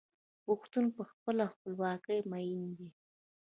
پښتون په خپله خپلواکۍ مین دی.